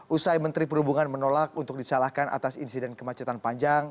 usai menteri perhubungan menolak untuk disalahkan atas insiden kemacetan panjang